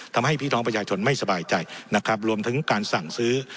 ทำให้พี่น้องประชาชนไม่สบายใจนะครับรวมถึงการสั่งซื้อ